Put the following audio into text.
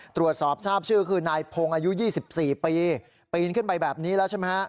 ตรวจสอบทราบชื่อคือนายพงศ์อายุ๒๔ปีปีนขึ้นไปแบบนี้แล้วใช่ไหมฮะ